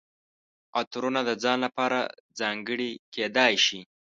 عطرونه د ځان لپاره ځانګړي کیدای شي.